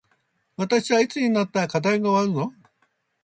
私はいつになったら課題が終わるの